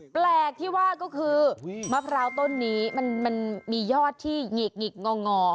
แปลกที่ว่าก็คือมะพร้าวต้นนี้มันมียอดที่หงิกหิกงอ